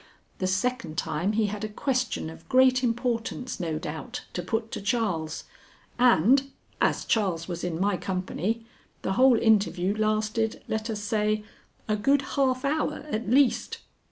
The second time he had a question of great importance, no doubt, to put to Charles, and as Charles was in my company, the whole interview lasted, let us say, a good half hour at least.